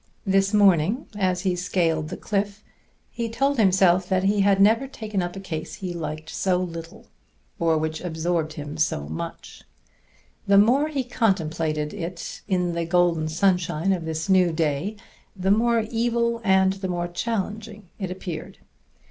This morning as he scaled the cliff he told himself that he had never taken up a case he liked so little, or which absorbed him so much. The more he contemplated it in the golden sunshine of this new day, the more evil and the more challenging it appeared.